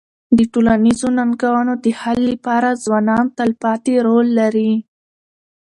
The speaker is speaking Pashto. د ټولنیزو ننګونو د حل لپاره ځوانان تلپاتې رول لري.